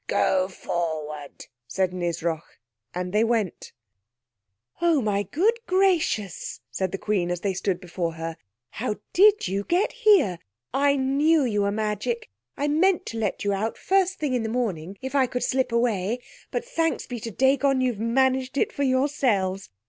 "Go forward," said Nisroch. And they went. "Oh, my good gracious," said the Queen as they stood before her. "How did you get here? I knew you were magic. I meant to let you out the first thing in the morning, if I could slip away—but thanks be to Dagon, you've managed it for yourselves.